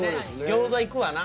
餃子いくわな